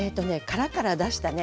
殻から出したね